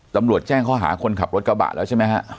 ตำรวจแจ้งข้อหาคนขับรถกระบะแล้วใช่ไหมฮะ